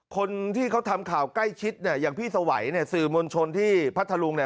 คนที่เขาทำข่าวใกล้ชิดเนี่ยอย่างพี่สวัยเนี่ยสื่อมวลชนที่พัทธรุงเนี่ย